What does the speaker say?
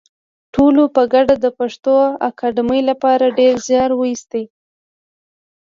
ټولو په ګډه د پښتو اکاډمۍ لپاره ډېر زیار وایستی